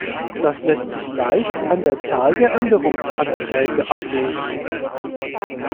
Das lässt sich leicht an der Zahl der Änderungsanträge ablesen.